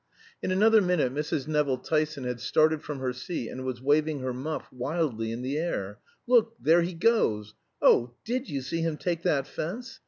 In another minute Mrs. Nevill Tyson had started from her seat and was waving her muff wildly in the air. "Look there he goes! Oh, did you see him take that fence?